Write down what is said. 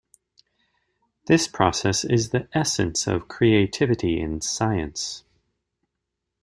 This process is the essence of creativity in science.